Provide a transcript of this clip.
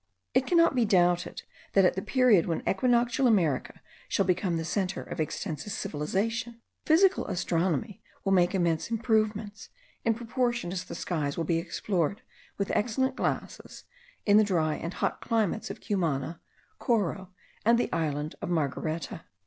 It cannot be doubted, that at the period when equinoctial America shall become the centre of extensive civilization, physical astronomy will make immense improvements, in proportion as the skies will be explored with excellent glasses, in the dry and hot climates of Cumana, Coro, and the island of Margareta.